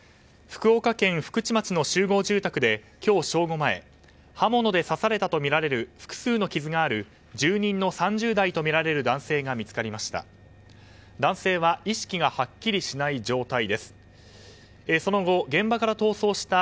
福岡県福智町の集合住宅で今日正午前刃物で刺されたとみられる複数の傷がある住人の３０代とみられる男性が見つかりました。